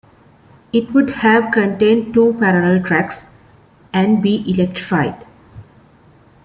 It would have contained two parallel tracks, and be electrified.